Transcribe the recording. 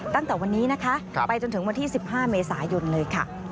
ตั้งแต่วันนี้นะคะไปจนถึงวันที่๑๕เมษายนเลยค่ะ